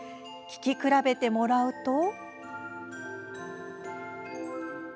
聞き比べてもらうと。